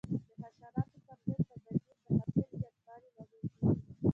د حشراتو پر ضد تدابیر د حاصل زیاتوالي لامل کېږي.